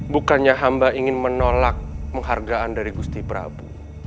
bukannya hamba ingin menolak penghargaan dari gusti prabu